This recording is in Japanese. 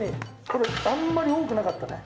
これあんまり多くなかったね。